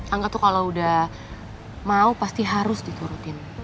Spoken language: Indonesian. angga tuh kalau udah mau pasti harus diturutin